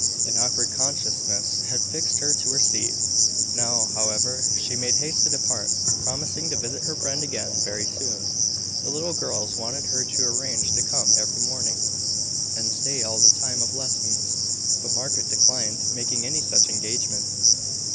An awkward consciousness had fixed her to her seat. Now, however, she made haste to depart, promising to visit her friend again very soon. The little girls wanted her to arrange to come every morning, and stay all the time of lessons: but Margaret declined making any such engagement.